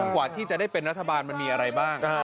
กว่าที่จะได้เป็นรัฐบาลมันมีอะไรบ้าง